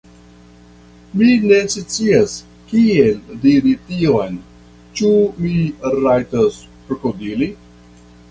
Mi ne scias, kiel diri tion. Ĉu mi rajtas krokodili?